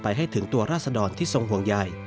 ให้ถึงตัวราศดรที่ทรงห่วงใหญ่